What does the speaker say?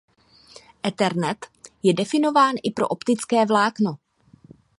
Ethernet je definován i pro optické vlákno.